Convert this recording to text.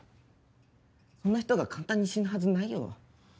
そんな人が簡単に死ぬはずないよ。